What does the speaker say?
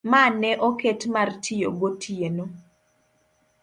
ma ne oket mar tiyo gotieno.